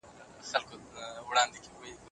نو یوازي خوره غمونه